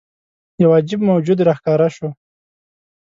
یوه عجيب موجود راښکاره شو.